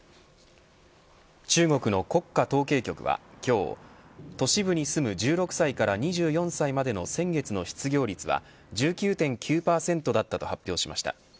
中国の国家統計局は今日都市部に住む１６歳から２４歳までの先月の失業率は１９．９％だったと発表しました。